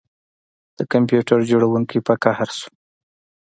د کمپیوټر جوړونکي په قهر شو